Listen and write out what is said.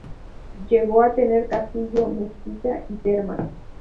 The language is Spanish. Llegó a tener castillo, mezquita y termas.